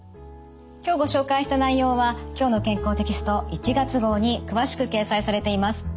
今日ご紹介した内容は「きょうの健康」テキスト１月号に詳しく掲載されています。